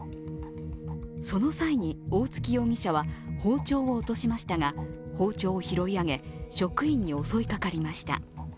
その際に大槻容疑者は、包丁を落としましたが包丁を拾い上げ、職員に襲いかかりました。